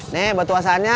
nih bantu asahannya